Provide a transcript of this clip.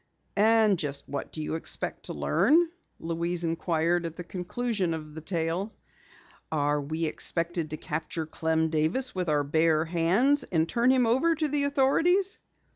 "And just what do you expect to learn?" Louise inquired at the conclusion of the tale. "Are we expected to capture Clem Davis with our bare hands and turn him over to the authorities?"